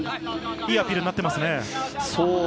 いいアピールになっていますね。